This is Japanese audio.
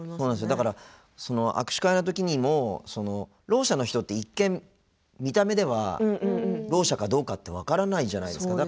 だから、握手会の時にもろう者の人って、一見見た目では、ろう者かどうかって分からないじゃないですか。